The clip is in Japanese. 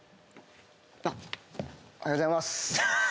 おはようございます。